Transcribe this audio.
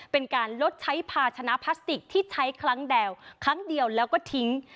เป็นการลดใช้ภาชนะพลาสติกที่ใช้ครั้งเดียวครั้งเดียวแล้วก็ทิ้ง